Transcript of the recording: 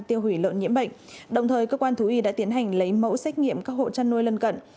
tiêu hủy lợn nhiễm bệnh đồng thời cơ quan thú y đã tiến hành lấy mẫu xét nghiệm các hộ chăn nuôi lân cận